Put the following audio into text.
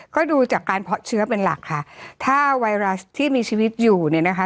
ก็ดูจากการเพาะเชื้อเป็นหลักค่ะถ้าไวรัสที่มีชีวิตอยู่เนี่ยนะคะ